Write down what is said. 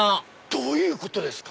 どういうことですか？